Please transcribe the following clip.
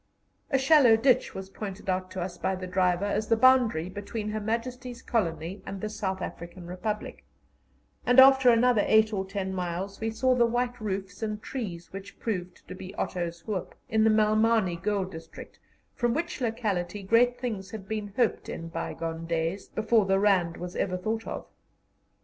A shallow ditch was pointed out to us by the driver, as the boundary between Her Majesty's colony and the South African Republic, and after another eight or ten miles we saw a few white roofs and trees, which proved to be Otto's Hoep, in the Malmani Gold District, from which locality great things had been hoped in bygone days, before the Rand was ever thought of.